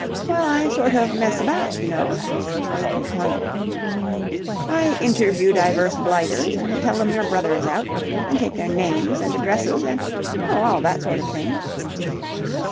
"Well, I sort of mess about, you know." He pondered. "I interview divers blighters and tell 'em your brother is out and take their names and addresses and... oh, all that sort of thing."